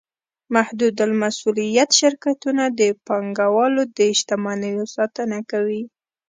محدودالمسوولیت شرکتونه د پانګهوالو د شتمنیو ساتنه کوي.